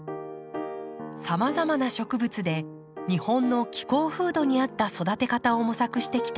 さまざまな植物で日本の気候風土に合った育て方を模索してきた永村さん。